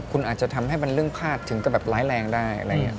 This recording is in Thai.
คุณอาจจะทำให้มันเรื่องพลาดถึงก็แบบร้ายแรงได้